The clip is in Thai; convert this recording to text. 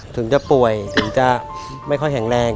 ถึงจะป่วยถึงจะไม่ค่อยแข็งแรง